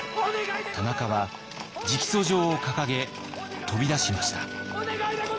田中は直訴状を掲げ飛び出しました。